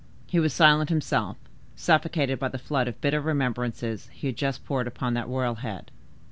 He was silent himself, suffocated by the flood of bitter remembrances he had just poured upon that royal head.